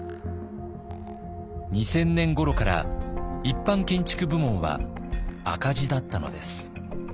２０００年ごろから一般建築部門は赤字だったのです。